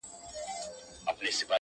درې څلور ملګرو ته مې یادونه وکړه